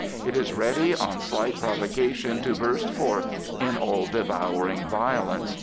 It is ready on slight provocation to burst forth in all devouring violence.